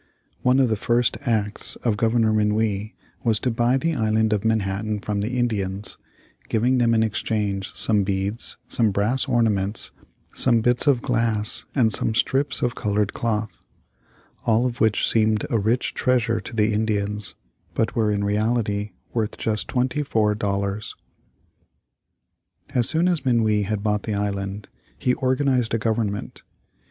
One of the first acts of Governor Minuit was to buy the Island of Manhattan from the Indians, giving them in exchange some beads, some brass ornaments, some bits of glass and some strips of colored cloth; all of which seemed a rich treasure to the Indians, but were in reality worth just twenty four dollars. As soon as Minuit had bought the island, he organized a government.